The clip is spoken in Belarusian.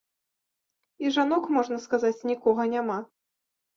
І жанок, можна сказаць, нікога няма.